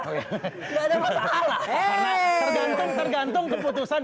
karena tergantung tergantung keputusan